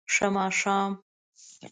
ښه ماښام